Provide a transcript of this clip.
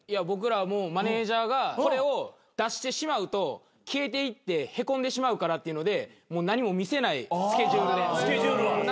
僕らはもうマネジャーがこれを出してしまうと消えていってへこんでしまうからっていうので何も見せないスケジュールで。